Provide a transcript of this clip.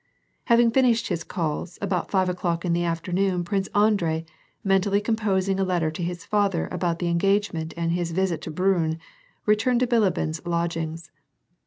Having finished his calls, about five o'clock in the afternoon Prince Andrei, mentally composing a letter to his father about the engagement and his visit to Brtinn, returned to Bilibin's lodgings.